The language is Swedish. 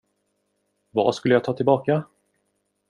Vad skulle jag ta tillbaka?